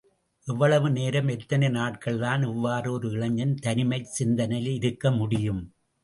எவ்வளவு நேரம், எத்தனை நாட்கள் தான் இவ்வாறு ஒரு இளைஞன் தனிமைச் சிந்தனையில் இருக்க முடியும்?